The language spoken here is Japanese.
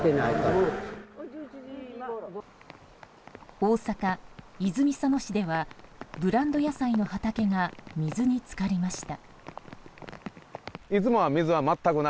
大阪・泉佐野市ではブランド野菜の畑が水に浸かりました。